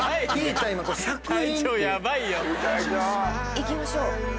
行きましょう。